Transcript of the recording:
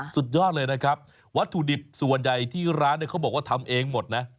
สุดยอดเลยนะครับวัตถุดิบส่วนใหญ่ที่ร้านเขาบอกว่าทำเองหมดนะ